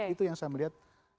itu yang saya melihat